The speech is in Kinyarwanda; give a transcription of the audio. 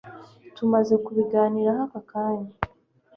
tumaze kubiganiraho akakanya